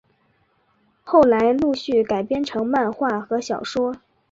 后来陆续改编成漫画和小说。